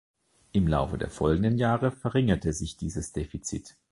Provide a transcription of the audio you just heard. Im Laufe der folgenden Jahre verringerte sich dieses Defizit.